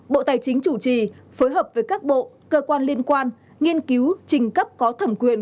bộ tài chính chủ trì phối hợp với các bộ cơ quan liên quan nghiên cứu trình cấp có thẩm quyền